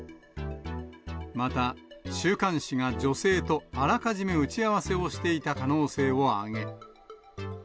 また、週刊誌が女性とあらかじめ打ち合わせをしていた可能性を挙げ。